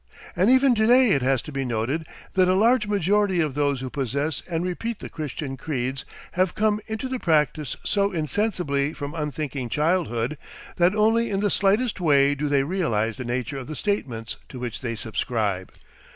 And even to day it has to be noted that a large majority of those who possess and repeat the Christian creeds have come into the practice so insensibly from unthinking childhood, that only in the slightest way do they realise the nature of the statements to which they subscribe.